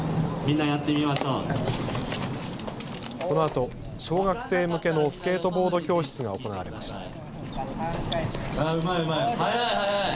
このあと、小学生向けのスケートボード教室が行われました。